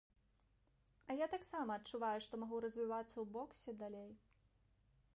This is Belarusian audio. А я таксама адчуваю, што магу развівацца ў боксе далей.